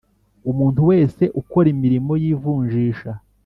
Umuntu wese ukora imirimo y ivunjisha